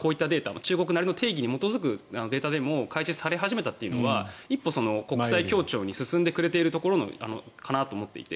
中国なりの定義に基づくデータでも開示され始めたというのは一歩、国際協調に進んでくれているところかなと思って。